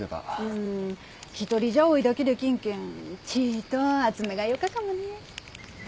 うーん一人じゃ追いだきできんけんちいと熱めがよかかもね。